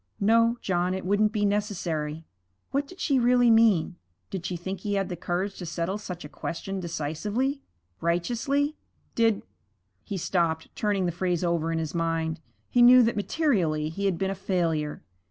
'No, John, it wouldn't be necessary.' What did she really mean? Did she think he had the courage to settle such a question decisively righteously? Did He stopped, turning the phrase over in his mind. He knew that materially he had been a failure.